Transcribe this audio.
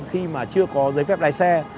khi mà chưa có giấy phép lái xe